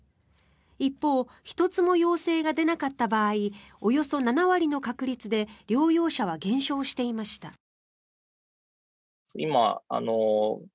一方１つも陽性が出なかった場合およそ７割の確率で療養者は減少していました。